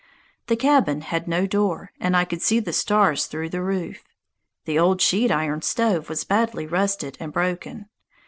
The cabin had no door, and I could see the stars through the roof. The old sheet iron stove was badly rusted and broken.